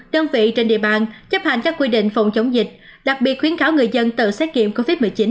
đơn vị trên địa bàn chấp hành các quy định phòng chống dịch đặc biệt khuyến cáo người dân tự xét nghiệm covid một mươi chín